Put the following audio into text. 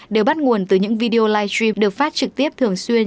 đều bắt nguồn từ những video live stream được phát trực tiếp thường xuyên